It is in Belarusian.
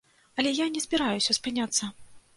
Але я не збіраюся спыняцца.